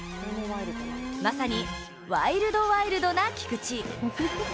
まさに、ワイルドワイルドな菊池。